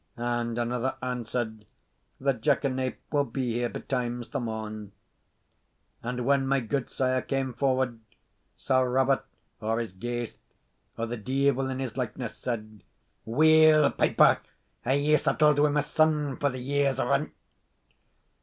And another answered, "The jackanape will be here betimes the morn." And when my gudesire came forward, Sir Robert or his ghaist, or the deevil in his likeness, said, "Weel, piper, hae ye settled wi' my son for the year's rent?"